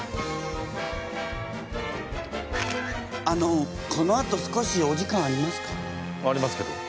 あのこのあと少しお時間ありますか？